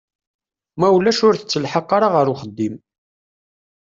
Ma ulac ur tettelḥaq ara ɣer uxeddim.